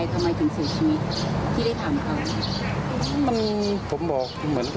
ทำไมถึงสื่อชีวิตที่ได้ถามเขา